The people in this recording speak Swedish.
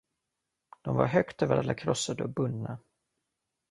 De var högt över alla krossade och bundna.